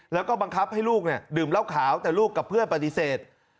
แล้วก็บังคับให้ลูกดื่มเหล้าขาวแต่ลูกกับเพื่อนปฏิเสธ